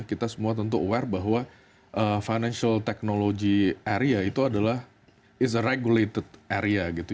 kita semua tentu aware bahwa financial technology area itu adalah is a regulated area gitu